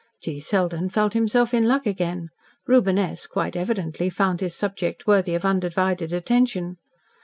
G. Selden felt himself in luck again. Reuben S., quite evidently, found his subject worthy of undivided attention.